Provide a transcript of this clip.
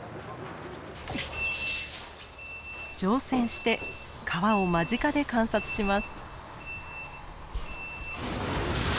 乗船して川を間近で観察します。